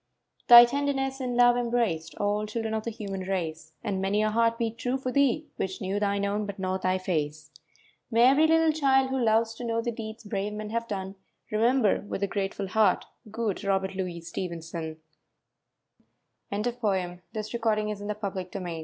Thy tenderness and love embraced All children of the human race, And many a heart beat true for thee Which knew thine own, but not thy face. May every little child who loves To know the deeds brave men have done, Remember, with a grateful heart, Good Robert Louis Stevenson I hi PRIVATELY PRINTED by CARROLL J. POST, Jr.